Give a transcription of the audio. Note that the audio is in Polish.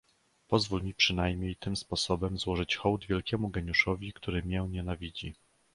"Pozwól mi przynajmniej tym sposobem złożyć hołd wielkiemu geniuszowi, który mię nienawidzi."